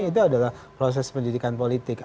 itu adalah proses pendidikan politik